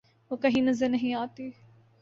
وہ کہیں نظر نہیں آتی۔